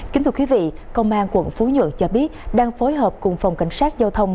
kính thưa quý vị công an quận phú nhuận cho biết đang phối hợp cùng phòng cảnh sát giao thông